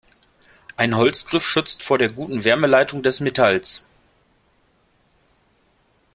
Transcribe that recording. Ein Holzgriff schützt vor der guten Wärmeleitung des Metalls.